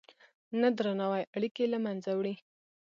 نه درناوی اړیکې له منځه وړي.